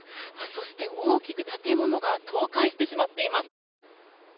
そして、大きく建物が倒壊してしまっています。